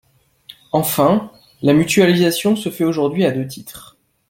Enfin, la mutualisation se fait aujourd’hui à deux titres.